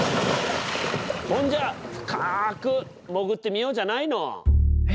ほんじゃあ深く潜ってみようじゃないの。え！